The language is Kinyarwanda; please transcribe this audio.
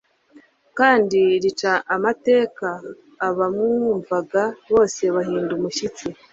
kandi rica amateka. Abamwumvaga bose bahindaga umushyitsi.